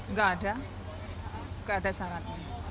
nggak ada nggak ada syarat